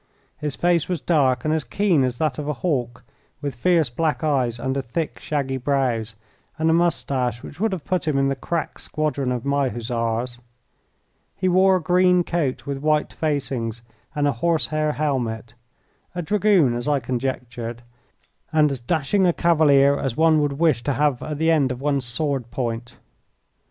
His face was dark and as keen as that of a hawk, with fierce black eyes under thick, shaggy brows, and a moustache which would have put him in the crack squadron of my Hussars. He wore a green coat with white facings, and a horse hair helmet a Dragoon, as I conjectured, and as dashing a cavalier as one would wish to have at the end of one's sword point.